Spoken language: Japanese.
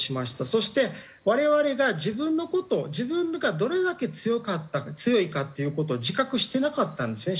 そして我々が自分の事自分がどれだけ強いかっていう事を自覚してなかったんですね